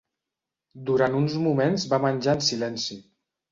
Durant uns moments va menjar en silenci.